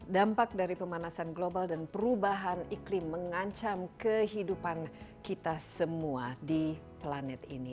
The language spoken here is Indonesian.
dampak dari pemanasan global dan perubahan iklim mengancam kehidupan kita semua di planet ini